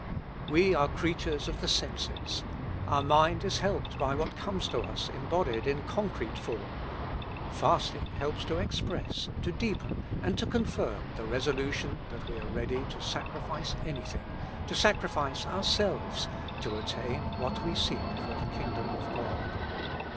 We are creatures of the senses : our mind is helped by what comes to us embodied in concrete form ; fasting helps to express, to deepen, and to confirm the resolution that we are ready to sacrifice anything, to sacrifice ourselves, to attain what we seek for the kingdom of God.